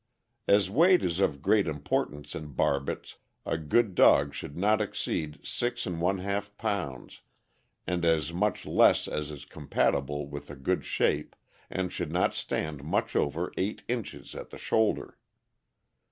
As weight is of great importance in Barbets, a good dog should not exceed six and one half pounds, and as much less as is compatible with a good shape, and should not stand much over eight inches at the shoulder.